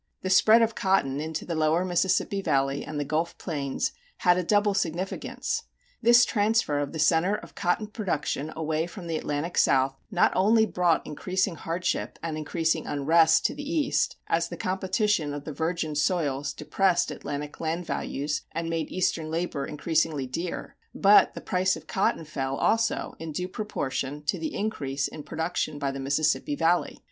The spread of cotton into the lower Mississippi Valley and the Gulf Plains had a double significance. This transfer of the center of cotton production away from the Atlantic South not only brought increasing hardship and increasing unrest to the East as the competition of the virgin soils depressed Atlantic land values and made Eastern labor increasingly dear, but the price of cotton fell also in due proportion to the increase in production by the Mississippi Valley.